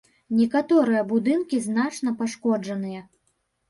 Некаторыя будынкі значна пашкоджаныя.